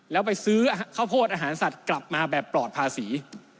แล้วไปซื้อข้าวโพดอาหารสัตว์กลับมาแบบปลอดภาษี